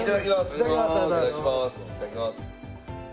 いただきます。